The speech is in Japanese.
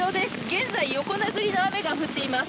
現在横殴りの雨が降っています。